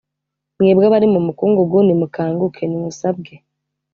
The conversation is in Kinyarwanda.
Mwebwe abari mu mukungugu, nimukanguke, nimusabwe